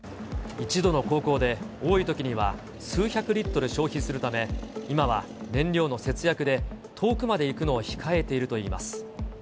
一度の航行で、多いときには数百リットル消費するため、今は燃料の節約で、遠くまで行くのを控えているといいます。